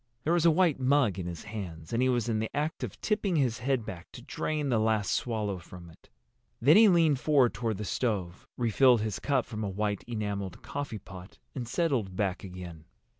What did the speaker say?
There was a white mug in his hands, and he was in the act of tipping his head back to drain the last swallow from it. Then he leaned forward toward the stove, refilled his cup from a white enameled coffeepot, and settled back again.